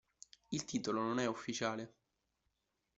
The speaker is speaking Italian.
Il titolo non è ufficiale.